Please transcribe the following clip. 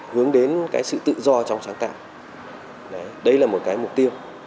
hướng đến cái sự tự do trong sáng tạo đây là một cái mục tiêu